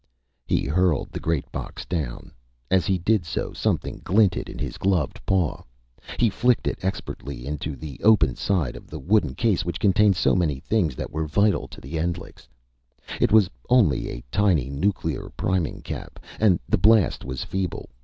He hurled the great box down. As he did so, something glinted in his gloved paw. He flicked it expertly into the open side of the wooden case which contained so many things that were vital to the Endlichs It was only a tiny nuclear priming cap, and the blast was feeble.